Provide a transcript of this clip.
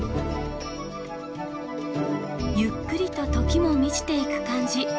ゆっくりと時も満ちていく感じ。